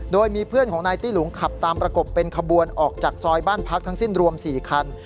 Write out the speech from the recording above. โดยมีเพื่อนของนายตี้หลุงขับตามประกบเป็นขบวนออกจากซอยบ้านพักทั้งสิ้นรวม๔คัน